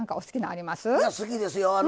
好きですよ。